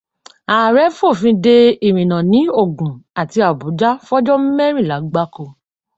Ààrẹ f'òfin de ìrìnà ní Ògùn àti Àbújá fọjọ́ mẹ́rìnlá gbáko.